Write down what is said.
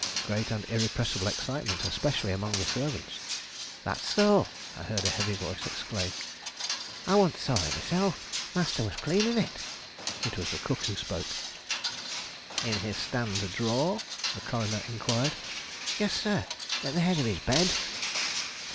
Great and irrepressible excitement, especially among the servants. "That's so!" I heard a heavy voice exclaim. "I saw it once myself master was cleaning it." It was the cook who spoke. "In his stand drawer?" the coroner inquired. "Yes, sir; at the head of his bed."